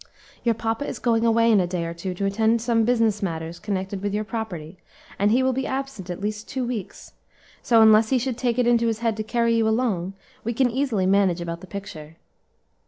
"Your papa is going away in a day or two to attend to some business matters connected with your property, and will be absent at least two weeks; so, unless he should take it into his head to carry you along, we can easily manage about the picture."